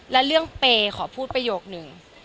และเรื่องเปย์ขอพูดประโยคนึง